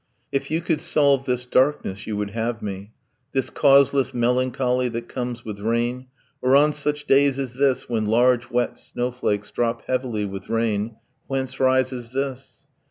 If you could solve this darkness you would have me. This causeless melancholy that comes with rain, Or on such days as this when large wet snowflakes Drop heavily, with rain ... whence rises this?